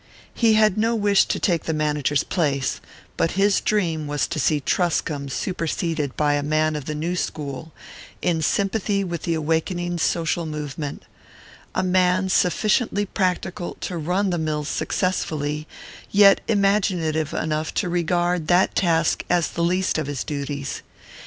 He had no wish to take the manager's place; but his dream was to see Truscomb superseded by a man of the new school, in sympathy with the awakening social movement a man sufficiently practical to "run" the mills successfully, yet imaginative enough to regard that task as the least of his duties.